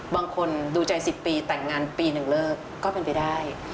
บางคนดูใจ๑๐ปีแต่งงานปีหนึ่งเลิกก็เป็นไปได้